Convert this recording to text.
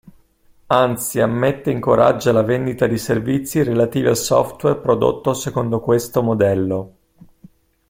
Anzi ammette e incoraggia la vendita di servizi relativi al software prodotto secondo questo modello.